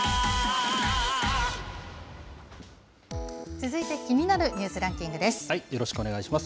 続いて気になるニュースランキングです。